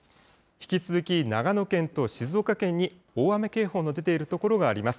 引き続き長野県と静岡県に大雨警報の出ている所があります。